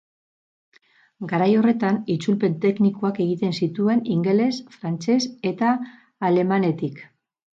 Garai horretan itzulpen teknikoak egiten zituen ingeles, frantses eta alemanetik.